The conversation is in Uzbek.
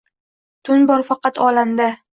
Tun bor faqat olamda…